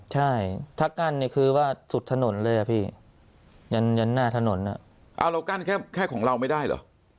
ใช่ถ้ากั้นนี่คือว่าสุดถนนเลยอะพี่ยันยันหน้าถนนเอาเรากั้นแค่ของเราไม่ได้เหรอ